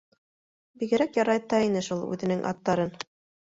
Бигерәк ярата ине шул үҙенең аттарын.